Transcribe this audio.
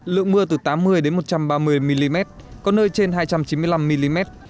lượng mưa từ tám mươi một trăm ba mươi mm có nơi trên hai trăm chín mươi năm mm